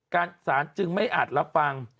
การสารจึงไม่อัดรับฟัง